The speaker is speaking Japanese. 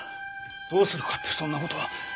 どうするかってそんな事は。